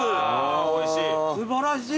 おいしい？